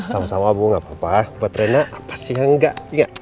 sama sama bu gak apa apa buat rena pasti enggak